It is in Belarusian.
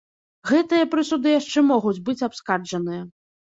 Гэтыя прысуды яшчэ могуць быць абскарджаныя.